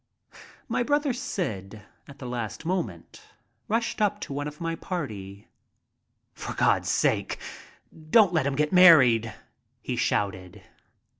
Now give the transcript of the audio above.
My brother Syd at the last moment rushed up to one of my party. "For God's sake, don't let him get married!" he shouted.